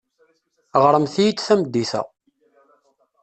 Ɣremt-iyi-d tameddit-a.